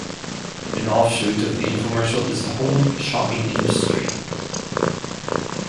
An offshoot of the infomercial is the home shopping industry.